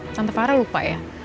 tante farah lupa ya